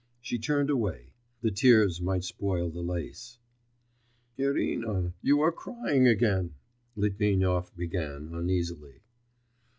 She turned away; the tears might spoil the lace. 'Irina, you are crying again,' Litvinov began uneasily.